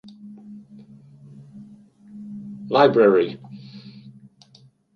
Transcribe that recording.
Library.